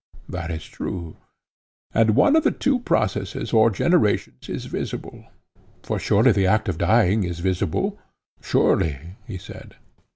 That is true. And one of the two processes or generations is visible—for surely the act of dying is visible? Surely, he said.